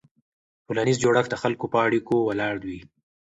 ټولنیز جوړښت د خلکو په اړیکو ولاړ وي.